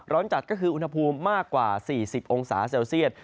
ร้อนจัดก็คืออุณหภูมิมากกว่า๔๐องศาเซลเซียต